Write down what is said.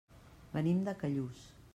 Venim de Callús.